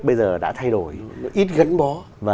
bây giờ đã thay đổi nó ít gắn bó